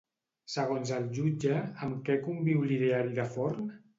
Segons el jutge, amb què conviu l'ideari de Forn?